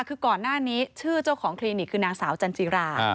คือก่อนหน้านี้ชื่อเจ้าของคลินิกคือนางสาวจันจิรา